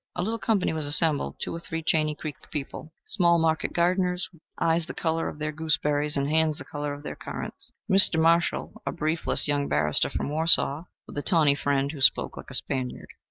A little company was assembled two or three Chaney Creek people, small market gardeners, with eyes the color of their gooseberries and hands the color of their currants; Mr. Marshall, a briefless young barrister from Warsaw, with a tawny friend, who spoke like a Spaniard.